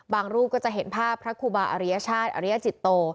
รูปก็จะเห็นภาพพระครูบาอริยชาติอริยจิตโต